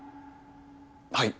はい。